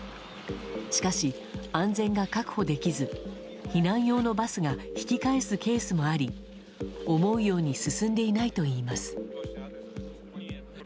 しかし安全が確保できず避難用のバスが引き返すケースもあり思うように進んでいないといいます。